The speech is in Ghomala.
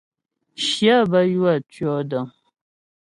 Shyə bə́ ywə̌ tʉ̂ɔdəŋ.